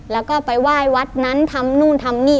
แล้วก็ไปไหว้วัดนั้นทำนู่นทำนี่